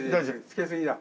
付けすぎだ。